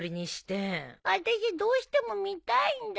あたしゃどうしても見たいんだよ。